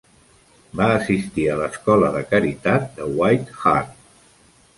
Va assistir a l'escola de caritat de White Hart.